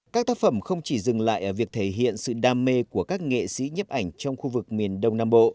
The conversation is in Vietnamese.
các tác phẩm không chỉ dừng lại ở việc thể hiện sự đam mê của các nghệ sĩ nhấp ảnh trong khu vực miền đông nam bộ